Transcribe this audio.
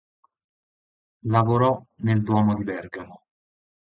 Lavorò nel duomo di Bergamo.